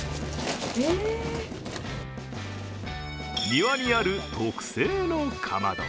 庭にある特製のかまど。